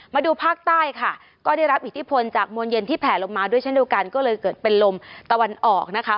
มาดูภาคใต้ค่ะก็ได้รับอิทธิพลจากมวลเย็นที่แผลลงมาด้วยเช่นเดียวกันก็เลยเกิดเป็นลมตะวันออกนะคะ